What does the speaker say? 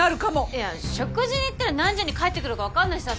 いや食事に行ったら何時に帰ってくるか分かんないしさ